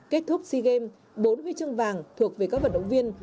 kết thúc sea games bốn huy chương vàng thuộc về các vận động viên